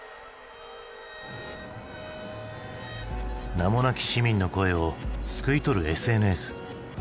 名もなき市民の声をすくい取るＳＮＳ。